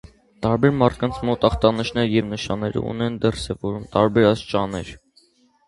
Տարբեր մարդկանց մոտ ախտանիշները և նշանները ունեն դրսևորման տարբեր աստիճաններ։